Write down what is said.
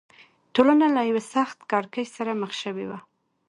ټولنه له یوه سخت کړکېچ سره مخ شوې وه.